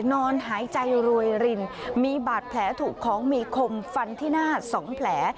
นอนหายใจรวยรินมีบาดแผลถูกของมีคมฟันที่หน้า๒แผล